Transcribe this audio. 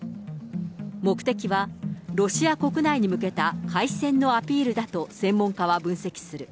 目的はロシア国内に向けた、開戦のアピールだと、専門家は分析する。